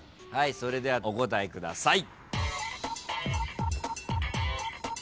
それではお答えください。